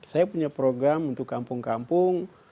saya punya program untuk kampung kampung